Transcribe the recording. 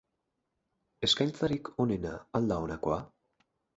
Eskaintzarik onena al da honakoa?